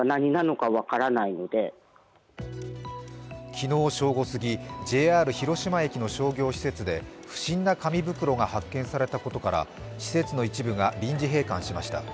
昨日正午過ぎ、ＪＲ広島駅の商業施設で不審な紙袋が発見されたことから施設の一部が臨時閉館しました。